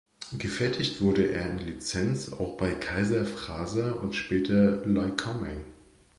Gefertigt wurde er in Lizenz auch bei Kaiser-Frazer und später Lycoming.